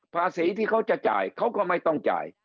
ภาษีที่เขาจะจ่ายเขาก็ไม่ต้องจ่าย